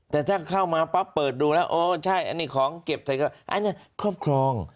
แต่ถ้าเข้ามาปั๊บเปิดดูแล้วโอ้ใช่อันนี้ของเก็บใส่ก็อันนี้ครอบครอง